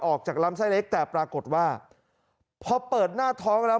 ออกจากลำไส้เล็กแต่ปรากฏว่าพอเปิดหน้าท้องแล้ว